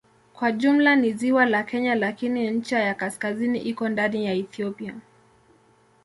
Kwa jumla ni ziwa la Kenya lakini ncha ya kaskazini iko ndani ya Ethiopia.